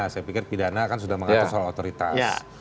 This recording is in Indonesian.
saya pikir pidana kan sudah mengatur soal otoritas